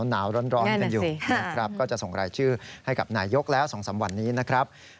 หนาวร้อนกันอยู่นะครับก็จะส่งรายชื่อให้กับนายยกแล้ว๒๓วันนี้นะครับ